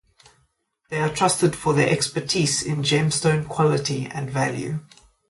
They are trusted for their expertise in gemstone quality and value.